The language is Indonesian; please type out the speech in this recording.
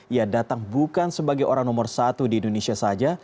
ia datang bukan sebagai orang nomor satu di indonesia saja